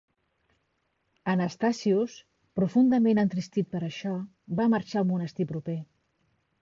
Anastasius, profundament entristit per això, va marxar a un monestir proper.